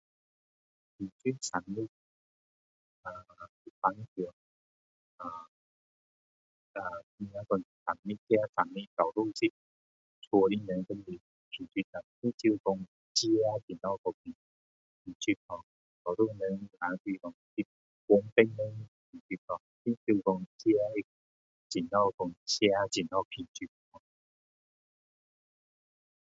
说到生日呃平时若说到生日大多数都是家人跟你庆祝很少说自己怎样去庆祝 ho 多数人都是帮别人庆祝很少说自己会帮自己怎样去庆祝